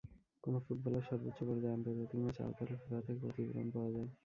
কোনো ফুটবলার সর্বোচ্চ পর্যায়ের আন্তর্জাতিক ম্যাচে আহত হলে ফিফা থেকে ক্ষতিপূরণ পাওয়া যায়।